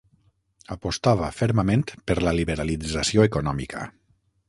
Apostava fermament per la liberalització econòmica.